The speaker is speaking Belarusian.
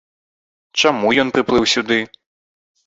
Чаму ён прыплыў сюды?